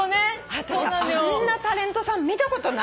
私あんなタレントさん見たことない。